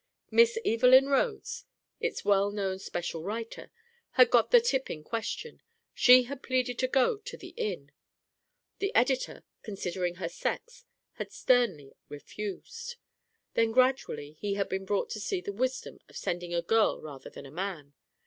Miss Evelyn Rhodes, its well known special writer, had got the tip in question; she had pleaded to go to the inn. The editor, considering her sex, had sternly refused. Then gradually he had been brought to see the wisdom of sending a girl rather than a man.